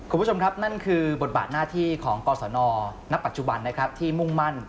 คุณผู้ชมครับนั่นคือบทบาทหน้าที่ของกศนณปัจจุบันนะครับที่มุ่งมั่น